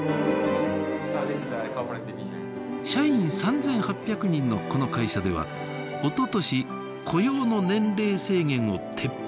社員３，８００人のこの会社ではおととし雇用の年齢制限を撤廃。